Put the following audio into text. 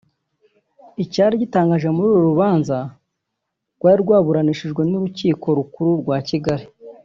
Icyari gitangaje muri uru rubanza rwari rwaburanishijwe n`urukiko rukuru rwa Kigali